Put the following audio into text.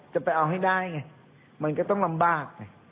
จะเอาให้ได้ไงมันก็ต้องลำบากไง